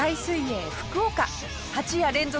８夜連続